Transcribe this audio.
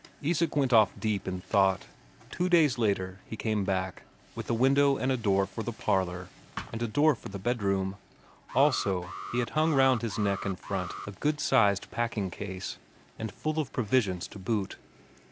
Isak went off deep in thought. Two days later he came back, with a window and a door for the parlour, and a door for the bedroom; also he had hung round his neck in front a good sized packing case, and full of provisions to boot.